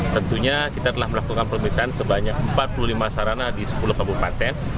tentunya kita telah melakukan pemeriksaan sebanyak empat puluh lima sarana di sepuluh kabupaten